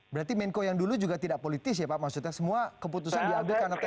berarti menko yang dulu juga tidak politis ya pak maksudnya semua keputusan diambil karena tadi